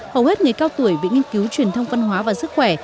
hầu hết người cao tuổi bị nghiên cứu truyền thông văn hóa và sức khỏe